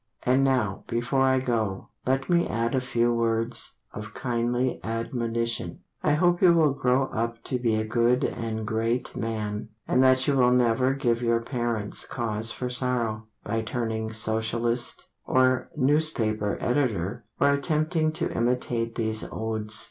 And now before I go Let me add a few words Of kindly admonition. I hope you will grow up to be a good and great man, And that you will never give your parents Cause for sorrow, By turning Socialist, Or newspaper editor, Or attempting to imitate these Odes.